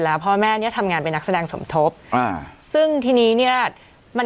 แล้วพ่อแม่เนี้ยทำงานเป็นนักแสดงสมทบอ่าซึ่งทีนี้เนี้ยมัน